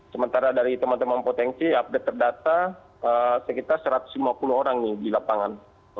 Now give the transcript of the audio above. sementara dari teman teman potensi update terdata sekitar satu ratus lima puluh orang nih di lapangan